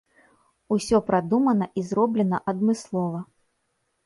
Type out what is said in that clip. Усё прадумана і зроблена адмыслова.